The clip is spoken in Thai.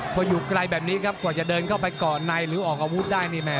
พออยู่ไกลแบบนี้ครับกว่าจะเดินเข้าไปก่อนในหรือออกอาวุธได้นี่แม่